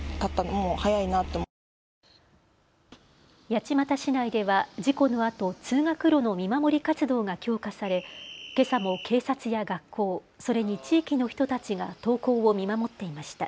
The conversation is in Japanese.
八街市内では事故のあと通学路の見守り活動が強化されけさも警察や学校、それに地域の人たちが登校を見守っていました。